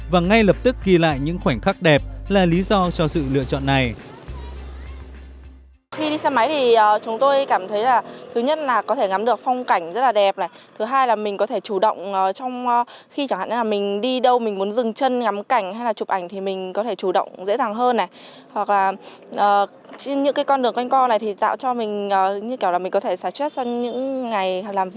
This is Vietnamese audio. và ngay lập tức ghi lại những khoảnh khắc đẹp là lý do cho sự lựa chọn này